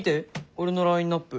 俺のラインナップ。